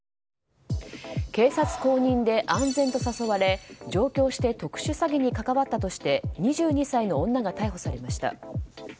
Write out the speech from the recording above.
警察公認で安全と誘われ上京して特殊詐欺に関わったとして２２歳の女が逮捕されました。